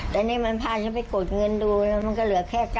แต่นี่มันพาฉันไปกดเงินดูแล้วมันก็เหลือแค่๙๐